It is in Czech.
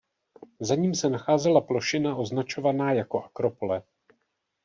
Za ním se nacházela plošina označovaná jako akropole.